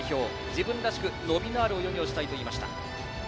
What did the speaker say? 自分らしく伸びのある泳ぎをしたいと言いました。